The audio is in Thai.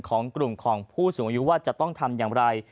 ของกลุ่มของผู้สูงอายุว่าจะต้องทำอย่างไร